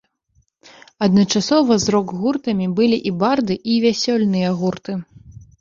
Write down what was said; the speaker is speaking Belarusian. Адначасова з рок-гуртамі былі і барды, і вясельныя гурты.